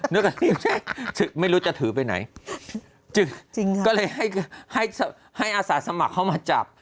นะนกไม่รู้จะถือไปไหนจริงก็เลยให้ให้ให้อาสาสมัครเขามาจับ